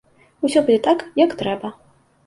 Усё будзе так, як трэба.